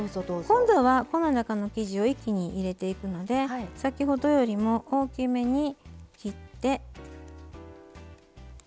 今度はこの中の生地を一気に入れていくので先ほどよりも大きめに切って。